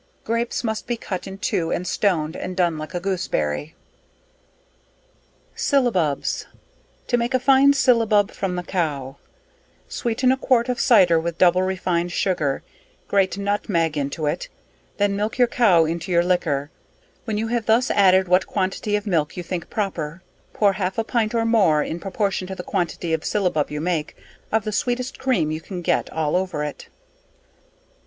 Grapes, must be cut in two and stoned and done like a Gooseberry. SYLLABUBS. To make a fine Syllabub from the Cow. Sweeten a quart of cyder with double refined sugar, grate nutmeg into it, then milk your cow into your liquor, when you have thus added what quantity of milk you think proper, pour half a pint or more, in proportion to the quantity of syllabub you make, of the sweetest cream you can get all over it.